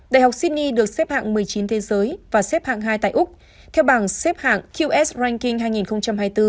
đại học sydney được xếp hạng một mươi chín thế giới và xếp hạng hai tại úc theo bảng xếp hạng qs banking hai nghìn hai mươi bốn